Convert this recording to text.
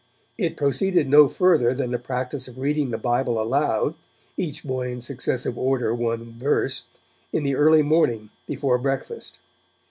It proceeded no further than the practice of reading the Bible aloud, each boy in successive order one verse, in the early morning before breakfast.